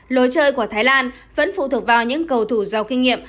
lối chơi của thái lan vẫn phụ thuộc vào những cầu thủ giàu kinh nghiệm